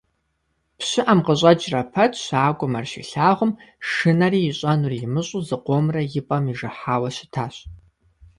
ПщыӀэм къыщӀэкӀрэ пэт щакӀуэм ар щилъагъум, шынэри ищӀэнур имыщӀэу зыкъомрэ и пӏэм ижыхьауэ щытащ.